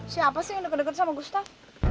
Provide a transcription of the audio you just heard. siapa sih yang deket deket sama gustaf